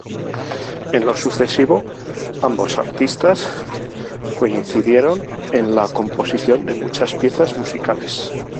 En lo sucesivo, ambos artistas coincidieron en la composición de muchas piezas musicales.